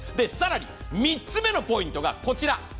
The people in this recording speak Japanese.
更に３つ目のポイントがこちら。